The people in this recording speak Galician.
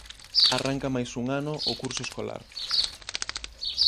Arranca máis un ano o curso escolar.